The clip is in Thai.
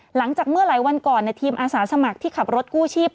หลังจากเมื่อหลายวันก่อนทีมอาสาสมัครที่ขับรถกู้ชีพ